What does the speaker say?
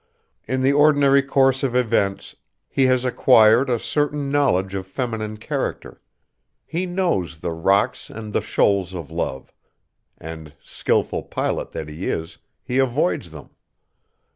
In the ordinary course of events he has acquired a certain knowledge of feminine character, he knows the rocks and the shoals of love, and, skillful pilot that he is, he avoids them.